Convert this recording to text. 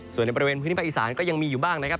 ส่วนในบริเวณพื้นที่ภาคอีสานก็ยังมีอยู่บ้างนะครับ